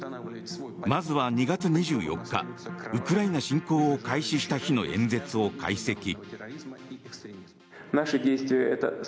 まずは２月２４日ウクライナ侵攻を開始した日の演説を解析。